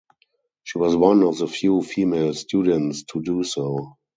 She was one of the few female students to do so.